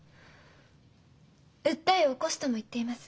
訴えを起こすとも言っています。